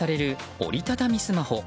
折り畳みスマホ。